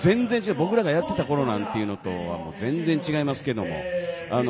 僕らがやってたころなんかとは全然違いますけど。